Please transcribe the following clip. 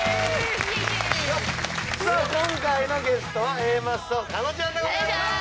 今回のゲストはＡマッソ加納ちゃんでございまーす！